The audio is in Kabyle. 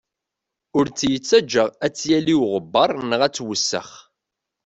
Ur tt-yettaǧǧa ad tt-yali uɣebbar neɣ ad tewsex.